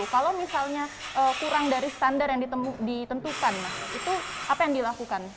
kalau misalnya kurang dari standar yang ditentukan mas itu apa yang dilakukan